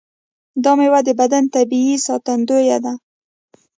دا میوه د بدن طبیعي ساتندوی ده.